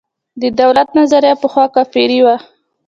د دولت نظریه پخوا کفري وه.